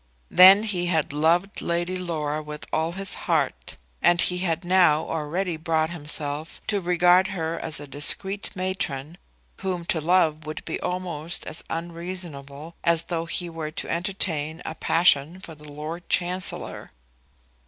Then he had loved Lady Laura with all his heart, and he had now already brought himself to regard her as a discreet matron whom to love would be almost as unreasonable as though he were to entertain a passion for the Lord Chancellor.